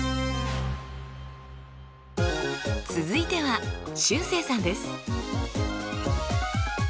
続いてはしゅうせいさんです。